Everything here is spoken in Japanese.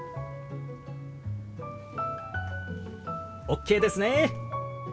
ＯＫですね！